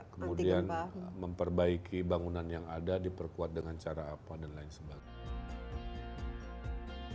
kemudian memperbaiki bangunan yang ada diperkuat dengan cara apa dan lain sebagainya